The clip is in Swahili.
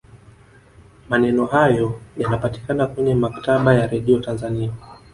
maneno hayo yanapatikana kwenye maktaba ya redio tanzania